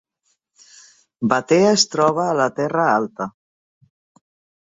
Batea es troba a la Terra Alta